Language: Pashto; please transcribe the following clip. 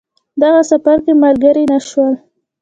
دغه سفر کې ملګري نه شول.